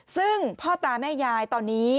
ซึ่งพ่อตาแม่ยายตอนนี้